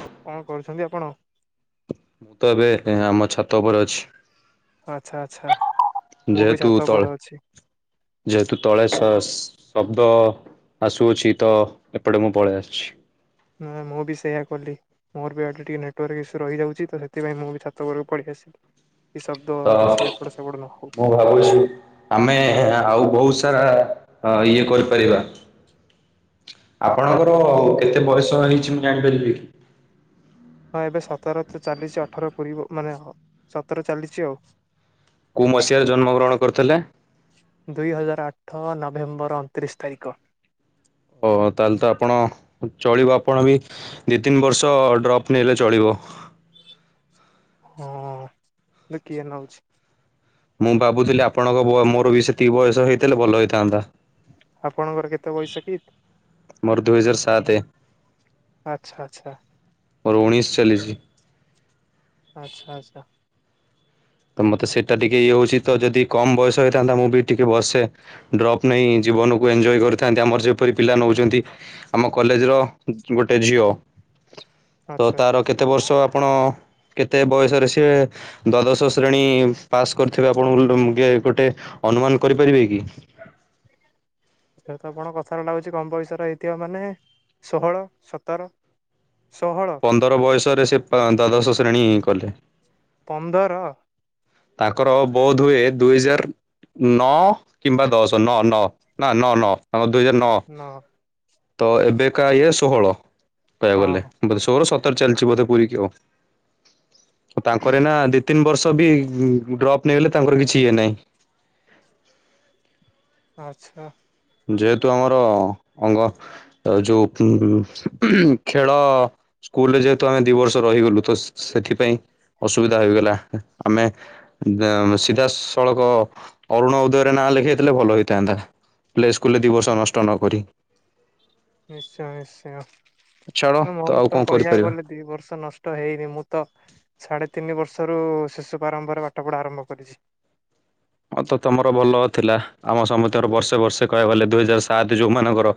ଆଉ କଣ? କରୁଛନ୍ତି ଆପଣ? ମୁଁ ତ ଏବେ ଏଁ ଆମ ଛାତ ଉପରେ ଅଛି। ଆଚ୍ଛା ଆଚ୍ଛା ମୁଁ ବି ଯେହେତୁ ଛାତ ଉପରେ ତଳେ ଅଛି ଯେହେତୁ ତଳେ ସସ ଶବ୍ଦ ଆସୁଅଛି ତ ଏପଟେ ମୁଁ ପଳେଇ ଆସୁଛି। ନା ମୁଁ ବି ସେଇୟା କଲି ମୋର ବି ଆଠୁ ଟିକେ ନେଟୱାର୍କ ଇସ୍ୟୁ ରହିଯାଉଛି ତ ସେଥିପାଇଁ ମୁଁ ବି ଛାତ ଉପରକୁ ପଳି ଆସିଲି। କି ଶବ୍ଦ ତ କିଛି ଏପଟ ସେପଟ ନ ହଉ ମୁଁ ଭାବୁଛି ଆମେ ଆଉ ବହୁତ ସାରା ହଁ ଇଏ କରିପାରିବା ଆପଣଙ୍କର କେତେ ବୟସ ହେଇଛି ମୁଁ ଜାଣିପାରିବି କି? ହଁ ଏବେ ସତର ତ ଚାଲିଛି ଅଠର ପୂରିବ ମାନେ ହ ସତର ଚାଲିଛି ଆଉ। କୋଉ ମସିହାରେ ଜନ୍ମ ଗ୍ରହଣ କରିଥିଲେ? ଦୁଇ ହଜାର ଆଠ ନଭେମ୍ବର ଅଣତିରିଶ ତାରିଖ। ଓ ହୋ ତାହେଲେ ତ ଆପଣ ଚଳିବ ଆପଣ ବି ଦି ତିନି ବର୍ଷ ଡ୍ରପ୍ ନଲେ ଚଳିବ। ହଁ ହେଲେ କିଏ ନଉଛି? ମୁଁ ଭାବୁଥିଲି ଆପଣଙ୍କ ବ ମୋର ବି ସେତିିକି ବୟସ ହେଇଥିଲେ ଭଲ ହେଇଥାନ୍ତା। ଆପଣଙ୍କର କେତେ ବୟସ କି? ମୋର ଦୁଇ ହଜାର ସାତେ। ଆଚ୍ଛା ଆଚ୍ଛା। ମୋର ଉଣେଇଶ ଚାଲିଛି। ଆଚ୍ଛା ଆଚ୍ଛା। ତ ମତେ ସେଇଟା ଟିକେ ଇଏ ହଉଛି ତ ଯଦି କମ ବୟସ ହେଇଥାନ୍ତା ମୁଁ ବି ଟିକେ ବର୍ଷେ ଡ୍ରପ୍ ନେଇ ଜୀବନକୁ ଏଞ୍ଜୋୟ କରିଥାନ୍ତି ଆମର ଯେପରି ପିଲା ନଉଛନ୍ତି ଆମ କଲେଜର ଗୋଟେ ଝିଅ ତ ଆଚ୍ଛା ତାର କେତେ ବର୍ଷ ଆପଣ କେତେ ବୟସରେ ସିଏ ଦ୍ଵାଦଶ ଶ୍ରେଣୀ ପାସ୍ କରିିଥିବେ ଆପଣ ଉଲ୍ ଡେ ମୁ ଗୋଟେ ଅନୁମାନ କରିପାରିବେ କି? ଯେହେତୁ ଆପଣ କଥାରୁ ଲାଗୁଛି କମ ବୟସ ର ହେଇଥିବ ମାନେ ଷୋହଳ ସତର। ଷୋହଳ ପନ୍ଦର ବୟ ରେ ସେ ପ ଦ୍ୱାଦଶ ଶ୍ରେଣୀ କଲେ। ପନ୍ଦର? ତାଙ୍କର ବୋଧ ହୁଏ ଦୁଇ ହଜାର ନଅ କିମ୍ବା ଦଶ ନଅ ନଅ ନା ନଅ ନଅ ତାଙ୍କ ଦୁଇହଜାର ନଅ। ନ ତ ଏବେକା ଇଏ ଷୋହଳ। କହିବାକୁ ଗଲେ ହଁ ବଧେ ଷୋହଳ ସତ ତର ଚାଲିଛି ବୋଧେ ପୁରୀ କି ଆଉ। ତାଙ୍କର ନା ଦି ତିନି ବର୍ଷ ତ ଭି ଡ୍ରପ୍ ନେଇଗଲେ ତାଙ୍କର କିଛି ଇଏ ନାହିଁ। ଆଛା। ଯେହେତୁ ଆମର ଅଙ୍ଗ ଯୋଉ ଉ ଖେଳ ସ୍କୁଲରେ ଯେହେତୁ ଆମେ ଦି ବର୍ଷ ରହିଗଲୁ ତ ସେଥିପାଇଁ ଅସୁବିଧା ହେଇଗଲା ଆମେ ସିଧାସଳଖ ଅରୁଣ ଉଦୟରେ ନାଁ ଲେଖେଇଥିଲେ ଭଲ ହେଇଥାନ୍ତା। ପ୍ଲେ ସ୍କୁଲରେ ଦୁଇ ବର୍ଷ ନଷ୍ଟ ନକରି। ନିଶ୍ଚୟ ଛାଡ ନିଶ୍ଚୟ। ମୋର ଆଉ ତ କଣ କହିବାକୁ କରିପାରିବା। ଗଲେ ଦି ବର୍ଷ ନଷ୍ଟ ହେଇନି ମୁଁ ତ ସାଢେ ତିନି ବର୍ଷ ଯୋଉ ଶିଶୁ ପ୍ରାରମ୍ଭରେ ପାଠ ପଢା ଆରମ୍ଭ କରିଛି। ତ ତମର ଭଲ ଥିଲା। ଆମ ସମସ୍ତିଙ୍କର ବର୍ଷେ ବର୍ଷେ କହିବାକୁ ଗଲେ ଦୁଇ ହଜାର ସାତ ଯୋଉମାନଙ୍କର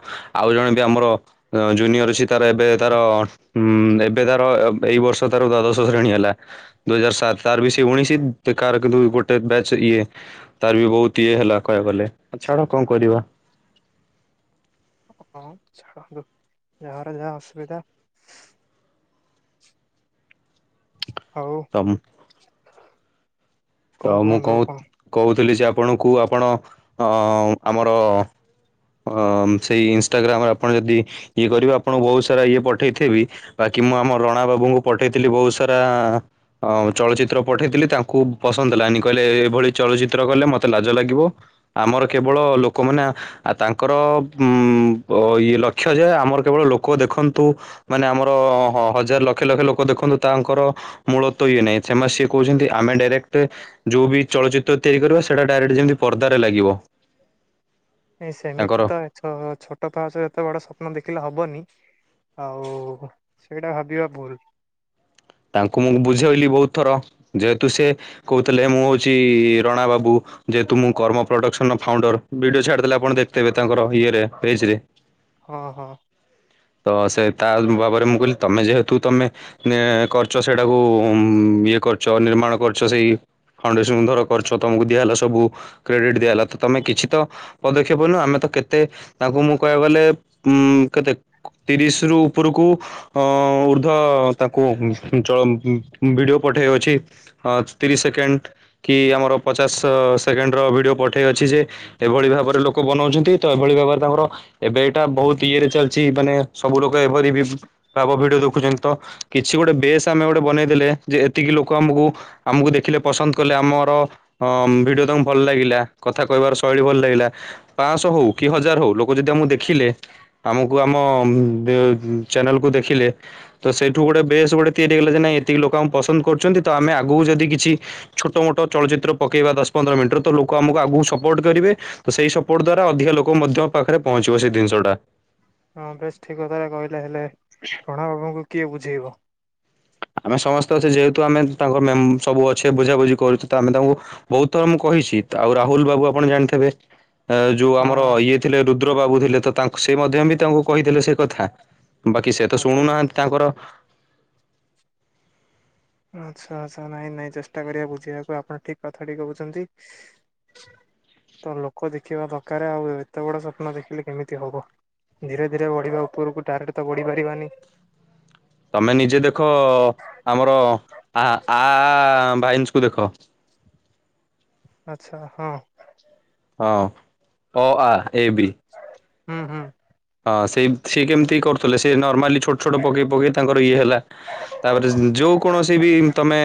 ଆଉ ଜଣେ ବି ଆମର ଜୁନିୟର ଅଛି ତାର ଏବେ ତାର ଏବେ ତାର ଉଁ ଏବେ ତାର ଏଇ ବର୍ଷ ତାର ଦ୍ୱାଦଶ ଶ୍ରେଣୀ ହେଲା ଦୁଇ ହଜାର ସାତ ତାର ବି ସେ ଉଣେଇଶି କ କିନ୍ତୁ ଗୋଟେ ବ୍ୟାଚ ଇଏ ତାର ବି ବହୁତ ଇଏ ହେଲା କହିବାକୁ ଗଲେ ଛାଡ କଣ କରିବା? ହଁ ଛାଡ଼ନ୍ତୁ ଯାହାରହାର ଯାହା ଅସୁବିଧା। [inaudible] ହଉ। ତ ତ ମୁଁ କହୁ କହୁଥିଲି ଯେ ଆପ୍ ଆପଣଙ୍କୁ ଆପଣ ଆମର ଅ ସେଇ ଇନସଟାଗ୍ରାମରେ ଆପଣ ଯଦି ଇଏ କରିବେ ଆପଣଙ୍କୁ ବହୁତ ସାରା ଇଏ ପଠେଇଥିବି ବାକି ମୁଁ ଆମ ରଣା ବାବୁଙ୍କୁ ପଠେଇଥିଲି ବହୁତ ସାରା ଚଳଚିତ୍ର ହଁ ପଠେଇଥିଲି ତାଙ୍କୁ ପସନ୍ଦ ହେଲାନି କହିଲେ ଏଇଭଳି ଚଳଚିତ୍ର କଲେ ମତେ ଲାଜ ଲାଗିବ ଆମର କେବଳ ଲୋକମାନେ ଆ ତାଙ୍କର ଉ ଇଏ ଲକ୍ଷ୍ୟ ଯେ ଆମର କେବଳ ଲୋକ ଦେଖନ୍ତୁ ମାନେ ଆମର ହଜାର ଲକ୍ଷେ ଲକ୍ଷେ ଲୋକ ଦେଖନ୍ତୁ ତାଙ୍କର ମୂଳତ୍ୱ ଇଏ ନାହିଁ। ସେମାନେ ସିଏ କହୁଛନ୍ତି ଆମେ ଡାଇରେକ୍ଟ ଯୋଉ ବି ଚଳଚ୍ଚିତ୍ର ତିଆରି କରିବା ସେଇଟା ଡାଇରେକ୍ଟ ଯେମିତି ପର୍ଦ୍ଦାରେ ଲାଗିବ। ନଁ ସେମିତି ତାଙ୍କର ତ ଛୋଟ ପାହାଚରେ ଏତେ ବଡ ସ୍ୱପ୍ନ ଦେଖିଲେ ହବନି। ଆଉ ସେଇଟା ଭାବିବା ଭୁଲ। ତାଙ୍କୁ ମୁଁ ବୁଝେଇଲି ବହୁତ ଥର ଯେହେତୁ ସେ କହୁଥିଲେ ମୁଁ ହଉଛି ରଣା ବାବୁ ଯେହେତୁ ମୁଁ କର୍ମ ପ୍ରଡକ୍ସନ ର ଫାଉଣ୍ଡର। ଭିଡିଓ ଛଡିଦଲେ ଆଣ ଦେଖ ତେବେ ତାଙ୍କର ଇଏରେଜ ରେ ହଁ ହଁ। ତ ସେ ତା ଭାବରେ ମୁଁ କହିଲି ତମେ ଯେହେତୁ ତମେ କରଛ ସେଇଟାକୁ ଇଏ କରଛ ନିର୍ମାଣ କରଛ, ସେଇ ଫାଉଣ୍ଡେସନ୍କୁ ଧର କରଛ ତୁମକୁ ଦିଆହେଲା ସବୁ କ୍ରେଡ଼ିଟ୍ ଦିଆହେଲା ତ ତୁମେ କିଛି ତ ପଦକ୍ଷେପ ନୁହ ଆମେ ତ କେତେ ତାଙ୍କୁ ମୁଁ କହିବାକୁ ଗଲେ କେତେ ତିରିଶରୁ ଉପରକୁ ଉର୍ଦ୍ଧ୍ୱ ତାଙ୍କୁ - ଳ ଭିଡିଓ ପଠେଇ ଅଛି ତିରିଶ ସେକେଣ୍ଡ କି ଆମର ପଚାଶ ସେକେଣ୍ଡର ଭିଡିଓ ପଠେଇ ଅଛି, ଯେ ଏଭଳି ଭାବରେ ଲୋକ ବନାଉଛନ୍ତି ତ ଏଭଳି ଭାବରେ ତାଙ୍କର ଏବେ ଏଇଟା ବହୁତ ଇଏରେ ଚାଲିଛି ମାନେ ସବୁ ଲୋକ ଏଭରି ବି ଭାବ ଭିଡିଓ ଦେଖୁଛନ୍ତି ତ କିଛି ଗୋଟେ ବେସ୍ ଆମେ ଗୋଟେ ବନେଇ ଦେେଲେ ଯେ ଏତିକି ଲୋକ ଆମକୁ ଆମକୁ ଦେଖିଲେ ପସନ୍ଦ କଲେ ଆମର ଭିଡିଓ ତାଙ୍କୁ ଭଲ ଲାଗିଲା କଥା କହିବାର ଶୈଳୀ ଭଲ ଲାଗିଲା, ପାଞ୍ଚଶହ ହଉ କି ହଜାର ହଉ ଲୋକ ଯଦି ଆମକୁ ଦେଖିଲେ ଆମକୁ ଆମ ଚ୍ୟାନେଲକୁ ଦେଖିଲେ ତ ସେଇଠୁ ଗୋଟେ ବେଶ ଗୋଟେ ତିଆରିଇଗଲା ଯେ ନାଇଁ ଏତିକି ଲୋକ ଆମ ପସନ୍ଦ କରୁଛନ୍ତି, ତ ଆମେ ଆଗକୁ ଯଦି କିଛି ଛୋଟ ମୋଟ ଚଳଚିତ୍ର ପକେଇବା ଦଶ ପନ୍ଦର ମିନିଟରୁ ତ ଲୋକ ଆମକୁ ଆଗକୁ ସପୋର୍ଟ କରିବେ ତ ସେଇ ସପୋର୍ଟ ଦ୍ଵାରା ଅଧିକ ଲୋକ ମଧ୍ୟ ପାଖରେ ପହଞ୍ଚିବ ସେ ଜିନିଷଟା ହଁ ବେଶ ଠିକ କଥାରେ କହିଲେ ହେଲେ ପ୍ରଣ ବାବୁଙ୍କୁ କିଏୁଝ ଯିବ। ଆମେ ସମସ୍ତେ ଅଛେ ଯେହେତୁ ଆମେ ତାଙ୍କ ସବୁ ଅଛେ ବୁଝାବୁଝି କରୁଛୁ, ତ ଆମେ ତାଙ୍କୁ ବହୁତ ଥର ମୁଁ କହିଛି ଆଉ ରାହୁଲ ବାବୁ ଆପଣ ଜାଣିଥିବେ? ଯୋଉ ହଁ ଆମର ଇଏ ଥିଲେ ରୁଦ୍ର ବାବୁ ଥିଲେ ତ? ତା ସେ ମଧ୍ୟ ବି ତାଙ୍କୁ କହିଥିଲେ ସେ କଥା। ବାକି ସେ ତ ଆଚ୍ଛା। ଶୁଣୁନାହାନ୍ତି ତାଙ୍କର। ଆଚ୍ଛା ଆଚଛା ନାଇଁ ନାଇଁ ଚେଷ୍ଟା କରିବା ବୁଝିବାକୁ ଆପଣ ଠିକ କଥାଟି କହୁଛନ୍ତି, ତ ଲୋକ ଦେଖିବା ଦରକ ଆଉ ଏତେ ବଡ ସ୍ୱପ୍ନ ଦେଖିଲେ କେମିତି ହବ ଧୀରେ ଧୀରେ ବଢିବା ଉପରକୁ ଡାଇରେକ୍ଟ ତ ବଢି ପାରିବାନି। ତମେ ନିଜେ ଦେଖ ଅମର ଆ ଆ ବାଇନ୍ସକୁ ଦେଖ। ଆଚ୍ଛା ହଁ। ହଁ ଓ ଆ ଏ ବି ହୁଁ ହୁଁ। ହଁ ସେ ସ କେମିତି କରୁଥିଲେ ସେ ନର୍ମାଲି ଛୋଟ ଛୋଟ ପକେଇ ପକେଇ ତାଙ୍କର ଇଏ ହେଲା ତାପରେ ଯୋଉ କୌଣସି ବି ତମେ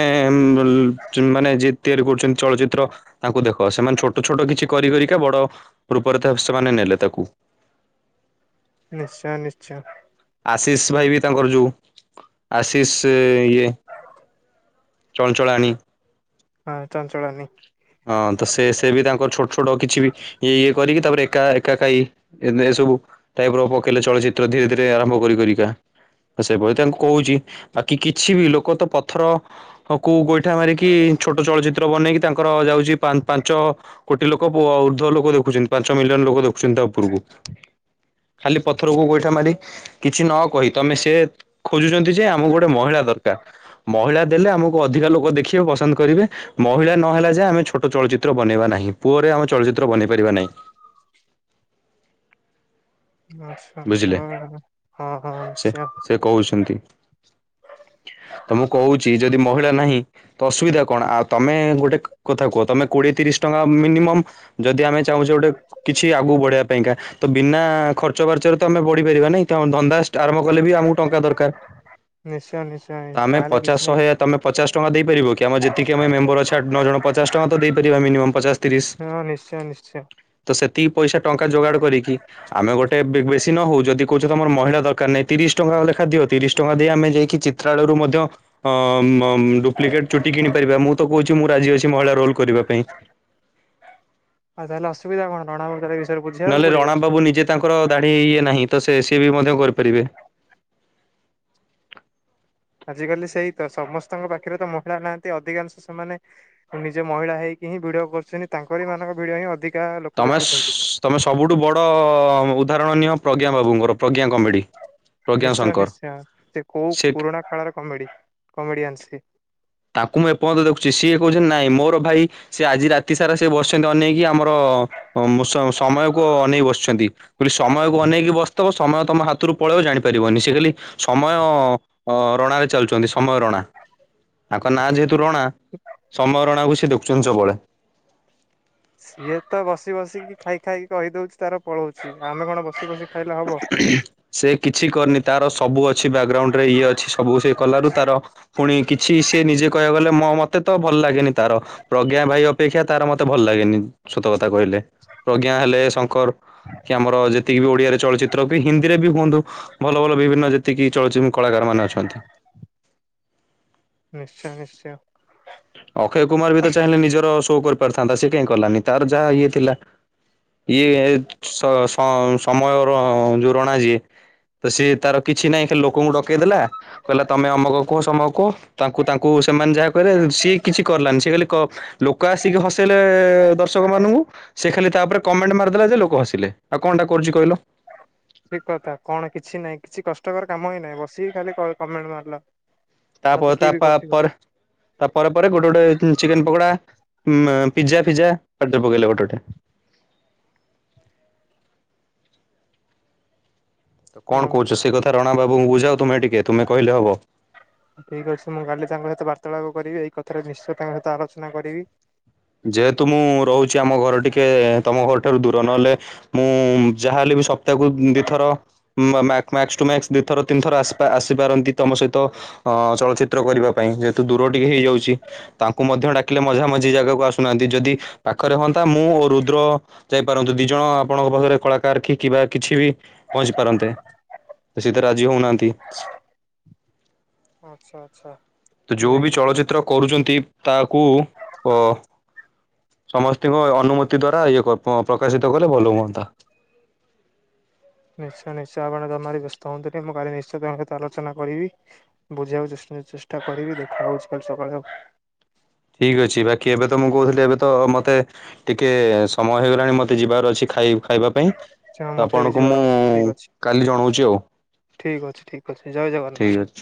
ମାନେ ଯେ ତିଆରି କରୁଛନ୍ତି ଚଳଚିତ୍ର ତାଙ୍କୁ ଦେଖ ସେମାନେ ଛୋଟ ଛୋଟ କିଛି କରି କରି କେତେ ବଡ ରୂପରେ ତ ସେମାନେ ନେଲେ ତାକୁ। ନିଶ୍ଚୟ ନିଶ୍ଚୟ। ଆଶିଷ ଭାଇ ବି ତାଙ୍କର ଯେଉ ଆଶିଷ ଇଏ ଚଳଚଳାଣି। ହଁ ଚଞ୍ଚଚଲାନୀ। ହଁ ତ ସେ ସେ ବି ତାଙ୍କର ଛୋଟ ଛୋଟ କିଛି ବି ଇଏ ଇଏ କରିକି ତାପରେ ଏକା ଏକା କାଇ ଏ ସବୁ ଟାଇପ ର ପକେଇଲେ ଚଳଚିତ୍ର ଧୀରେ ଧୀରେ ଆରମ୍ଭ କରି କରିକା ସେଭଳି ତାଙ୍କୁ କହୁଛି ବାକି କିଛି ବି ଲୋକ ତ ପଥର କୁ ଗୋଇଠା ମାରିକି ଛୋଟ ଚଳଚିତ୍ର ବନେଇକି ତା ଯାଉଛି ପାଞ୍ଚ କୋଟି ଲୋକ ଉର୍ଦ୍ଧ ଲୋକ ଦେଖୁଛନ୍ତି ପାଞ୍ଚ ମିଲିୟନ ଲୋକ ଦେଖୁଛନ୍ତି ତା ଉପରକୁ। ଖାଲି ପଥରକୁ ଗୋଇଠା ମାରି କିଛି ନ କହି ତମେ ସେ ଖୋଜୁଛନ୍ତି ଯେ ଆମକୁ ଗୋଟେ ମହିଳା ଦରକାର ମହିଳା ଦେଲେ ଆମକୁ ଅଧିକା ଲୋକ ଦେଖିବେ ପସନ୍ଦ କରିବେ ମହିଳା ନହ ଯେ ଆମେ ଛୋଟ ଚଳଚିତ୍ର ବନେଇବା ନାହିଁ ପୁଅରେ ଆମେ ଚଳଚିତ୍ର ବନେଇ ପାରିବା ନାହିଁ। ଆଛା ଆଛା ବୁଝିଲେ ହଁ ହଁ ସେ ନିଶ୍ଚୟ। ସେ କହୁଛନ୍ତି ତ ମୁଁ କହୁଛି ଯଦି ମହିଳା ନାହିଁ ତ ଅସୁବିଧା କଣ ଆଉ ତମେ ଗୋଟେ କଥା କୁହ ତମେ କୋଡିଏ ତିରିଶ ଟଙ୍କା ମିନିମମ୍ ଯଦି ଆମେ ଚାହୁଁଛେ ଗୋଟେ କିଛି ଆଗକୁ ବଢବା ପାଇଁକା ତ ବିନା ଖର୍ଚ୍ଚ ପର୍ଚ୍ଚ ପର୍ଚରେ ତମେ ବଢିପାରିବା ନାଇଁ ଧନ୍ଦା ଆରମ୍ଭ କଲେ ବି ଆମକୁ ଟଙ୍କା ଦରକାର। ନିଶ୍ଚୟ ନିଶ୍ଚୟ ଆମେ ତାହେଲେ ପଚାଶ କିଛି ନା ଶହେ କିଛି ତମେ ପଚାଶ ଟଙ୍କା ଦେଇପାରିବ କି ଆମର ଯେତିକି ଆମ ମେମ୍ବର ଅଛ ଆଠ ନଅ ଜଣ? ପଚା ଟଙ୍କା ତ ଦେଇପାରିବା ମିନିମମ୍ ପଚାଶ ତିରିଶ। ହଁ ନିଶ୍ଚୟ ନିଶ୍ଚୟ। ତ ସେତିକି ପଇସା ଟଙ୍କା ଯୋଗାଡ଼ କରିକି। ଆମେ ଗୋଟେ ବେଶୀ ନ ହଉ ଯଦି କହୁଛ ତମର ମହିଳା ଦରକାର ନାହିଁ ତିରିଶ ଟଙ୍କା ଲେଖା ଦିଅ ତିରିଶ ଟଙ୍କା ଦେଇ ଆମେ ଯାଇକି ଚିତ୍ରାଳୟରୁ ମଧ୍ୟ ଡୁପ୍ଲିକେଟ ଚୁଟି କିଣିପାରିବା ମୁଁ ତ କହୁଛି ମୁଁ ରାଜି ଅଛି ମହିଳା ରୋଲ କରିବା ପାଇଁ। ଆ ସୁବିଧା କଣ [inaudible] ନହେଲେ ପଡିବ। ରଣା ବାବୁ ନିଜେ ତାଙ୍କର ଦାଢି ଇଏ ନାହିଁ। ତ ସେ ସିଏ ବି ମଧ୍ୟ କରିପାରିବେ। ଆଜିକାଲି ସେଇ ତ ସମସ୍ତଙ୍କ ପାଖରେ ତ ମହିଳା ନାହାନ୍ତି ଅଧିକାଂଶ ସେମାନେ ନିଜ ମହିଳା ହେଇକି ହିଁ ଭିଡି କରୁଛନ୍ତି ତାଙ୍କରି ମାନଙ୍କ ଭିଡି ହିଁ ଅଧିକ ତମେ ତମେ ସବୁଠୁ ବଡ ଉଦାହରଣ ନିଅ। ପ୍ରଜ୍ଞା ବାବୁଙ୍କର ପ୍ରଜ୍ଞା କମେଡ଼ି। ନିଶ୍ଚୟ ନିଶ୍ଚୟ ସେ କୋଉ ପୁରୁଣା କାଳର କମେଡି କମେଡିଆନ ସ ତାଙ୍କୁ ମୁଁ ଏପର୍ଯ୍ୟନ୍ତ ଦେଖୁଛି ସିଏ କହୁଛନ୍ତି ନାଇଁ ମୋର ଭାଇ ସେି ଆଜି ରାତି ସାରା ସିଏ ବସିଛନ୍ତି ଅନେଇକି ଆମର ସମୟକୁ ଅନେଇକି ବସିଛନ୍ତି। ବୋଲି ସମୟକୁ ଅନେକି ବ ତମ ସମୟ ତମ ହାତରୁ ପଳେଇବ। ଜାଣିପାରିବନି ସେ ଖାଲି ସମୟ ରଣରେ ଚାଲୁଛନ୍ତି ସମୟ ରଣା। ତାଙ୍କ ନାଁ ଯେହେତୁ ରଣା ସମୟ ରଣା କ ସେ ସେ ଦୋକଚୁଞ୍ଚ ସବୁବେଳେ। ସିଏ ତ ବସି ବସିକି ଖାଇ ଖାଇକି କହିଦଉଛି ତାର ପଳଉଛି। ଆମେ କଣ ବସି ବସି ଖାଇଲେ ହବ। ସେ କିଛି କରିନି ତାର ସବୁ ଅଛି ବ୍ୟାକଗ୍ରାଉଣ୍ଡ ରେ ଇଏ ଅଛି ସବୁ ସେ କଲାରୁ ତାର ପୁଣି କିଛି ସେି ନିଜେ କହିବା ଗଲେ ମ ମତେ ତ ଭଲ ଲାଗେନି ତାର ପ୍ରଜ୍ଞା ଭାଇ ଅପେକ୍ଷା ତାର ମତେ ଭଲ ଲାଗେନି ସତ କଥା। କହିଲେ ପ୍ରଜ୍ଞା ହେଲେ କର୍। କି ଆମର ଯେ ଯେତିକି ବି ଓଡିଆରେ ଚଳଚିତ୍ର କି ହିନ୍ଦୀରେ ବି ହୁଅନ୍ତୁ ଭଲ ଭଲ ବିଭିନ୍ନ ଯେତିକି ଚଳଚିତ କଳାକାର ମାନେ ଅଛନ୍ତି। ନିଶ୍ଚୟ ନିଶ୍ଚୟ। ଅକ୍ଷୟ କୁମାର ବି ତ ଚାହିଁଲେ ନିଜର ସୋ କର ଥାନ୍ତା ସିଏ କାଇଁ କଲାନି ତାର ଯାହା ଇଏ ଥିଲା। ଏଇ ସ ସମୟ ଯୋଉ ରଣା ଯିଏ ତ ସିଏ ତାର କିଛି ନାହିଁ ଖ ଲୋକଙ୍କୁ ଡକେଇ ଦେେଲା କହିଲା ତମେ ଅମକ କୁହ ସମୟ କୁହ ତାଙ୍କୁ ତାଙ୍କୁ ସେମାନେ ଯାହା କହିଲେ। ସିଏ କିଛି କରଲାନି ସେ ଖାଲି ଲୋକ ଆସିକି ହସେଇଲେ ଦର୍ଶକ ମାନଙ୍କୁ ସେ ଖାଲି ତାପରେ କମେଣ୍ଟ ମାରିଦେଲା ଯେ ଲୋକ ହସିଲେ ଆଉ କଣଟା କରୁଛି କହିଲ। ସେ କଥା କଣ କିଛି ନାହିଁ କିଛି କଷ୍ଟକର କାମ ହିଁ ନାହିଁ ବସିକି ଖାଲି କମେଣ୍ଟ ମାରିଲ। ଏଟା ତ ତାପ ତା କିଏ ବି ବସି ପରେ ତା ପରେ ପରେ ଗୋଟେ ଗୋଟେ ଚିକେନ ପକୋଡା। ଉ ପିଜ୍ଜା ଫିଜ୍ଜା ଆ ପକେଇଲା ପଟୋଟା। ତ କଣ ଛାଡ଼ନ୍ତୁ କହୁଛ ସେଇ କଥା ରଣ ବାବୁ ବୁଝାଉ। ତୁମେ ଟିକେ ତୁମେ କହିଲେ ହବ। ଠିକ ଅଛି ମୁଁ କାଲି ତାଙ୍କ ସହିତ କରିବି ଏଇ କଥାରେ ନିଶ୍ଚୟ ତାଙ୍କ ସହିତ ଆଲୋଚନା କରିବି। ଯେହେତୁ ମୁଁ ରହୁଛି ଆମ ଘର ଟିକେ ତମ ଘରଠାରୁ ଦୂର ନହେଲେ ମୁଁ ଯାହାହଲେ ବି ସପ୍ତାହକୁ ଦିଥର ଦିଥର ତିନିଥର ଆସିପାରନ୍ତି ତମ ସହିତ ଚଳଚିତ୍ର କରିବା ପାଇଁ ଯେହେତୁ ଦୂର ଟିକେ ହେଇଯାଉଛି ତାଙ୍କୁ ମଧ୍ୟ ଡାକିଲେ ମଝାମ ମଝି ଜାଗାକୁ ଆସ। ୁନାହାନ୍ତି ଯଦି ପାଖରେ ହୁଅନ୍ତା ମୁଁ ଓ ରୁଦ୍ର ଯାଇପାରନ୍ତୁ ଦି ଜଣ ଆପଣଙ୍କ ପାଖରେ କଳାକାର କି କିବା କିଛି ବି ପହଞ୍ଚି ପାରନ୍ତେ ସେଥିରେ ରାଜି ହଉନାହାନ୍ତି। ଆଚ୍ଛା ଆଚ୍ଛା। ତ ଯୋଉ ନାଇଁ ବି କିଛି ଚଳଚିତ୍ର କରୁଛନ୍ତି। ତାକୁ ଅ ସମସ୍ତଙ୍କ ଅନୁମତି ଦ୍ଵାରା ଇଏ ପ୍ରକାଶିତ କଲେ ଭଲ ହୁଅନ୍ତା। ନିଶ୍ଚୟ ନିଶ୍ଚୟ ଆପଣ ତମାର ବ୍ୟସ୍ତ ହୁଅନ୍ତୁନି ମୁଁ କାଲି ନିଶ୍ଚୟ ତଙ୍କ ସହିତ ଆଲୋଚନା କରିବି ବୁଝିବାକୁ ଚେଷ୍ଟା କରିବି ଦେଖା ହଉଛି କାଲି ସକାଳ ଆଉ ଠିକ୍ ଅଛି ବାକି ଏବେ ତ ମୁଁ କହୁଥିଲି ଏବେ ତ ମୋତେ ଟିକେ ସମୟ ହେଇଗଲାଣି ମୋତେ ଯିବାର ଅଛି ଖାଇ ଖାଇବା ପାଇଁ। ତ ମତେ ବି ଆପଣଙ୍କୁ ଯିବାର ମୁଁ ଅଛି ଠିକ ଅଛି କାଲି ଜଣଉଛି ଆଉ ଠିକ ଅଛି ଠିକ ଅଛି ଜୟ ଠିକ୍ ଜଗନ୍ନାଥ। ଅଛି।